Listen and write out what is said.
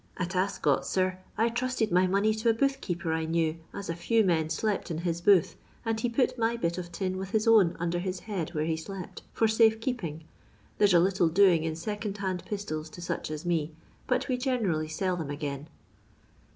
At Ascot, sir, I trusted my money to a booth keeper I knew, as a few men slept in his booth, and he put my bit of tin with his own under his head where he slept, for safe keeping. There's a little doing in second hand pistols to such as me, but we generally sell them again."